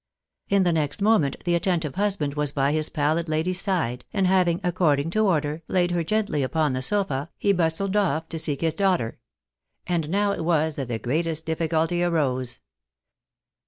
In the next moment the attentive husband was by his palhd lady's side, and having, according to order, laid her gently upon the sofa, he bustled off to seek his daughter. And now it was that the greatest difficulty arose.